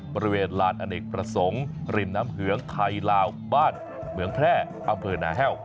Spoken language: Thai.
บริเวณลานอเนกประสงค์ริมน้ำเหืองไทยลาวบ้านเหมืองแพร่อำเภอหนาแห้ว